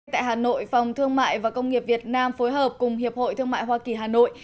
tại hà nội phòng thương mại và công nghiệp việt nam phối hợp cùng hiệp hội thương mại hoa kỳ hà nội